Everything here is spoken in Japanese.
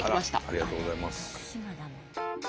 ありがとうございます。